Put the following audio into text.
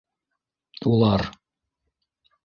Улар...